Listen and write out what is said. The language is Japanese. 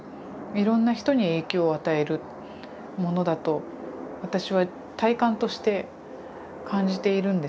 いろんな人に影響を与えるものだと私は体感として感じているんですね。